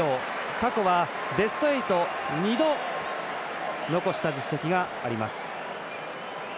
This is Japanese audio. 過去はベスト８２度、残した実績があります。